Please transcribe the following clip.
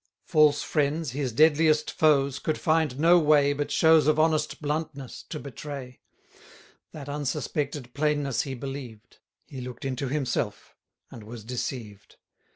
False friends, his deadliest foes, could find no way But shows of honest bluntness, to betray: That unsuspected plainness he believed; He looked into himself, and was deceived.